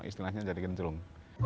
istilahnya jadi celung